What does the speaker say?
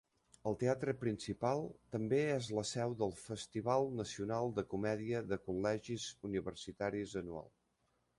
El teatre principal també és la seu del Festival Nacional de Comèdia de Col·legis Universitaris anual.